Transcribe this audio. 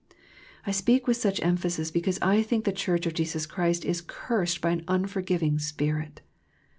I speak with such emphasis because I think the Church of Jesus Christ is cursed by an unforgiving spirit.